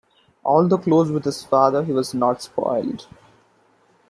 Although close with his father, he was not spoiled.